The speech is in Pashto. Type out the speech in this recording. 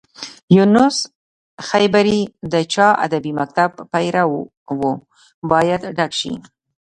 یونس خیبري د چا ادبي مکتب پيرو و باید ډک شي.